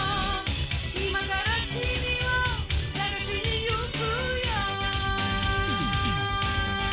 「今から君を探しにゆくよ」